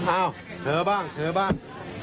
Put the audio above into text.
เอ้าเธอบ้างเธอบ้าง